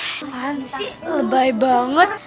maksudnya lebay banget